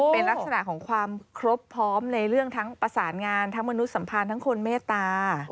เป็นลักษณะของความครบพร้อมในเรื่องทั้งภาษางานความมนุษย์สัมพันธ์และภาษาโมเมตรา